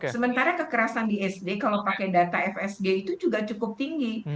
sementara kekerasan di sd kalau pakai data fsg itu juga cukup tinggi